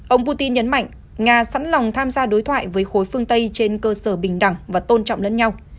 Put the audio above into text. ông putin nhấn mạnh nga sẵn lòng tham gia đối thoại với khối phương tây trên cơ sở bình đẳng và tôn trọng lẫn nhau